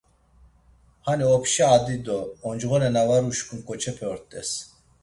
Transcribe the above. Hani opşa adi do oncğore na var uşǩun ǩoçepe ort̆es.